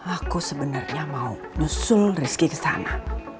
aku sebenernya mau nusul rizky kesana